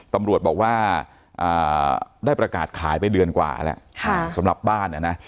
ตำรวจบอกว่าได้ประกาศขายไปเดือนกว่าแล้วสำหรับบ้านนะ